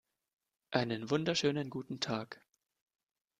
Einen wunderschönen guten Tag!